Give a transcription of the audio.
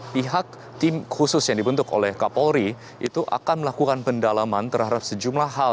pihak tim khusus yang dibentuk oleh kapolri itu akan melakukan pendalaman terhadap sejumlah hal